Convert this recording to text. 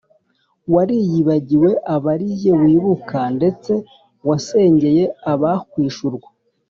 Wariyibagiw' ub' ari jye wibuka, Ndetse wasengey' abakwish' urwo